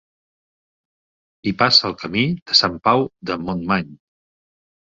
Hi passa el camí de Sant Pau de Montmany.